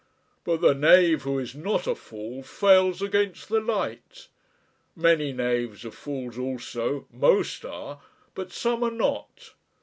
But the knave who is not a fool fails against the light. Many knaves are fools also most are but some are not.